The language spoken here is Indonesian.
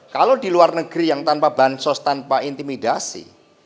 kalau di luar negeri yang tanpa bansos tanpa intimidasi